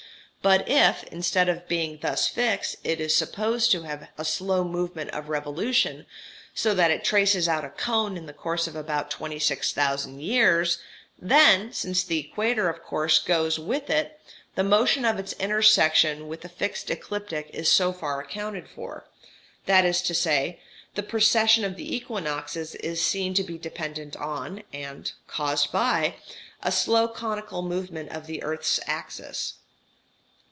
But if, instead of being thus fixed, it be supposed to have a slow movement of revolution, so that it traces out a cone in the course of about 26,000 years, then, since the equator of course goes with it, the motion of its intersection with the fixed ecliptic is so far accounted for. That is to say, the precession of the equinoxes is seen to be dependent on, and caused by, a slow conical movement of the earth's axis.